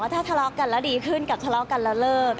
ถ้าทะเลาะกันแล้วดีขึ้นกับทะเลาะกันแล้วเลิก